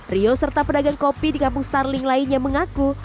rio serta pedagang kopi di kampung starling lainnya mengaku